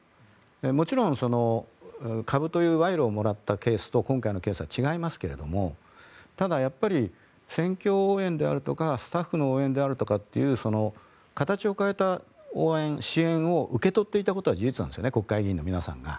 もちろん、株という賄賂をもらったケースと今回のケースは違いますけどただやっぱり選挙応援であるとかスタッフの応援であるという形を変えた応援、支援を受け取っていたことは事実なんですよね国会議員の皆さんが。